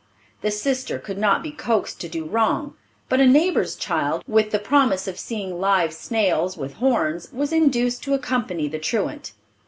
The sister could not be coaxed to do wrong, but a neighbor's child, with the promise of seeing live snails with horns, was induced to accompany the truant.